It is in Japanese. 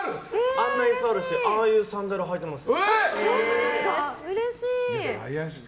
あんな椅子あるしああいうサンダル履いてます。